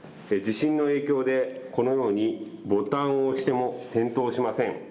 地震の影響でこのようにボタンを押しても点灯しません。